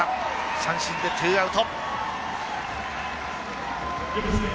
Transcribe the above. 三振で２アウト。